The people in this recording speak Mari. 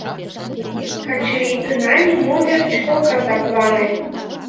Качырий гына нимо верч ок азаплане.